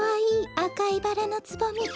あかいバラのつぼみ。